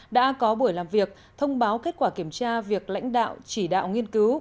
đã có buổi làm việc thông báo kết quả kiểm tra việc lãnh đạo chỉ đạo nghiên cứu